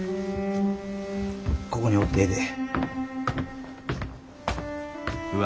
ここにおってええで。